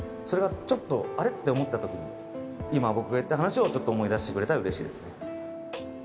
それがちょっと「あれ？」って思った時に今僕が言った話をちょっと思い出してくれたら嬉しいですね。